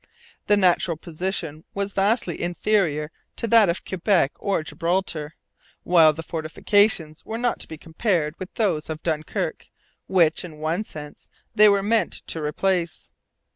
The natural position was vastly inferior to that of Quebec or Gibraltar; while the fortifications were not to be compared with those of Dunkirk, which, in one sense, they were meant to replace.